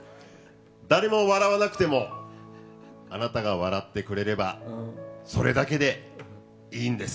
誰も笑わなくてもあなたが笑ってくれればそれだけで、いいんです。